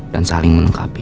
dan saling menengkapi